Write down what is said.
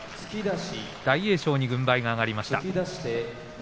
大栄翔に軍配が上がりました。